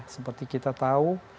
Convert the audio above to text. seperti kita tahu